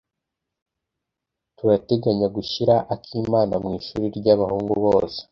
Turateganya gushyira akimana mwishuri ryabahungu bose.